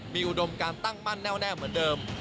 มีอุดมการตั้งมั่นแน่วแน่เหมือนเดิม